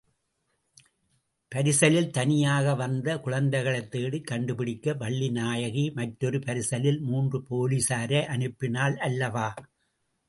பரிசலில் தனியாக வந்த குழந்தைகளைத் தேடிக் கண்டுபிடிக்க வள்ளிநாயகி மற்றொரு பரிசலில் மூன்று போலீசாரை அனுப்பினாள் அல்லவா?